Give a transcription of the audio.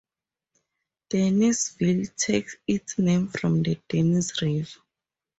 Dennysville takes its name from the Dennys River.